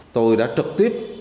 tôi đã trực tiếp